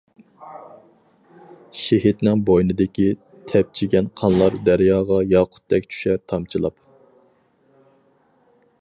شېھىتنىڭ بوينىدىن تەپچىگەن قانلار دەرياغا ياقۇتتەك چۈشەر تامچىلاپ.